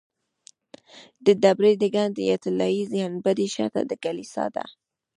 د ډبرې د ګنبد یا طلایي ګنبدې شاته د کلیسا ده.